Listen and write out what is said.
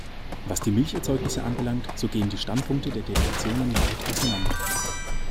Was die Milcherzeugnisse anbelangt, so gehen die Standpunkte der Delegationen weit auseinander.